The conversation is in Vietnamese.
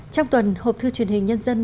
trong tuần hộp thư truyền hình nhân dân